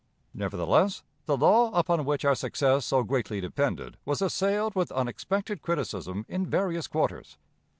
Nevertheless, the law upon which our success so greatly depended was assailed with unexpected criticism in various quarters.